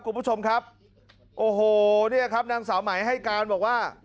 กลุ่มผู้ชมครับโอ้โหนางสาวใหม่ให้การบอกว่า